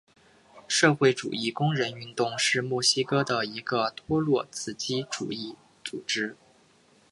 社会主义工人运动是墨西哥的一个托洛茨基主义组织。